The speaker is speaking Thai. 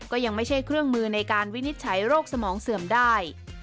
ก็ยังไม่ใช่เครื่องมือในการวินิจฉัยโรคสมองเสื่อมได้